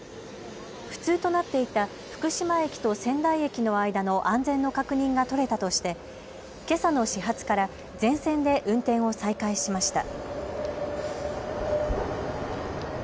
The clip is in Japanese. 不通となっていた福島駅と仙台駅の間の安全の確認が取れたとしてけさの始発から全線で運転を再開しました。